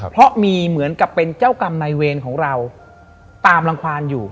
เพราะมีเหมือนกับเป็นเจ้ากรรมในเวรของเราตามรังความอยู่